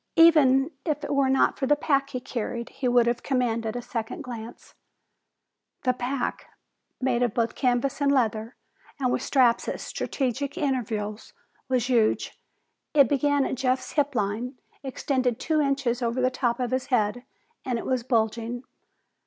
Even if it were not for the pack he carried, he would have commanded a second glance. The pack, made of both canvas and leather and with straps at strategic intervals, was huge. It began at Jeff's hip line, extended two inches over the top of his head, and it was bulging.